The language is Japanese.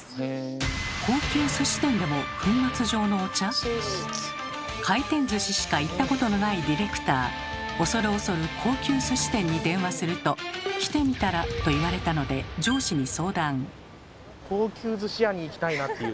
また回転寿司しか行ったことのないディレクター恐る恐る高級寿司店に電話すると「来てみたら？」と言われたので上司に相談。